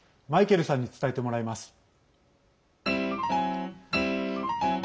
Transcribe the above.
マイケルさんに伝えてもらいます。